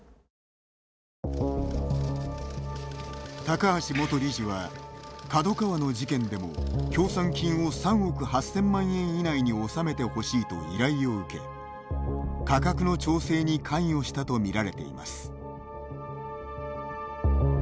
高橋元理事はＫＡＤＯＫＡＷＡの事件でも協賛金を３億８０００万円以内に収めてほしいと依頼を受け価格の調整に関与したと見られています。